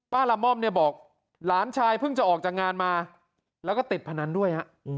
ป้าลำม่อมบอกหลานชายเพิ่งจะออกจากงานมาแล้วก็ติดพนันด้วย